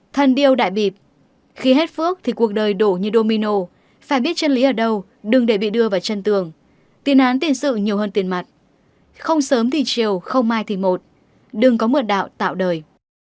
thân điêu đại bịp khi hết phước thì cuộc đời đổ như domino phải biết chân lý ở đâu đừng để bị đưa vào chân tường tiền án tiền sự nhiều hơn tiền mặt không sớm thì chiều không mai thì một đừng có mượn đạo tạo đời